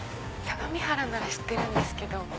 相模原なら知ってるんですけど。